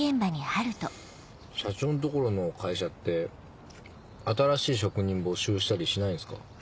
社長んところの会社って新しい職人募集したりしないんですか？